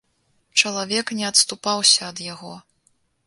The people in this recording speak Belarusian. Чалавек не адступаўся ад яго.